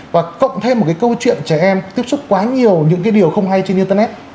và cộng thêm một cái câu chuyện trẻ em tiếp xúc quá nhiều những cái điều không hay trên internet